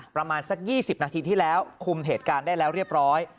ประมาณสัก๒๐นาทีที่แล้วคุมเหตุการณ์ได้แล้วเรียบร้อย